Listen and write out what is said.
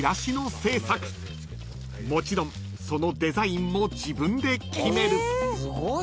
［もちろんそのデザインも自分で決める］